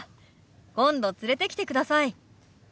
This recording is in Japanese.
今度連れてきてください。